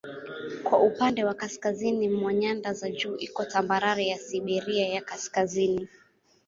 Kwa upande wa kaskazini mwa nyanda za juu iko tambarare ya Siberia ya Kaskazini.